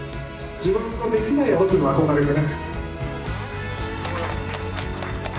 自分のできないことへの憧れでね。